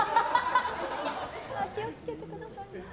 気を付けてくださいね。